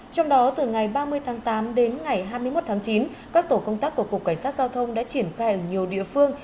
trong đó từ ngày ba mươi tháng tám đến ngày hai mươi một tháng chín các tổ công tác của cục cảnh sát giao thông đã triển khai ở nhiều địa phương